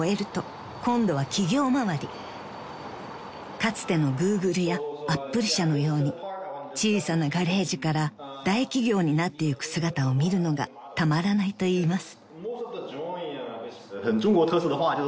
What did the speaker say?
［かつてのＧｏｏｇｌｅやＡｐｐｌｅ社のように小さなガレージから大企業になってゆく姿を見るのがたまらないといいます］